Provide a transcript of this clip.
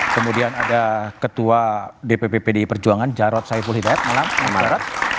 kemudian ada ketua dpp pdi perjuangan jarod saiful hidayat malam